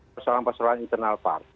persoalan persoalan internal partai